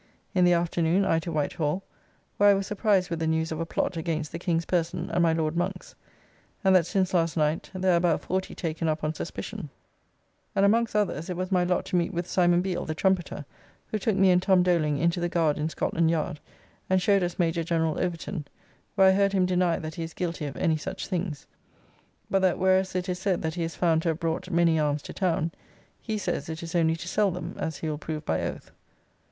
In the afternoon I to White Hall, where I was surprised with the news of a plot against the King's person and my Lord Monk's; and that since last night there are about forty taken up on suspicion; and, amongst others, it was my lot to meet with Simon Beale, the Trumpeter, who took me and Tom Doling into the Guard in Scotland Yard, and showed us Major General Overton, where I heard him deny that he is guilty of any such things; but that whereas it is said that he is found to have brought many arms to town, he says it is only to sell them, as he will prove by oath.